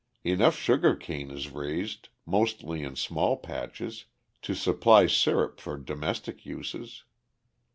Enough sugar cane is raised, mostly in small patches, to supply syrup for domestic uses.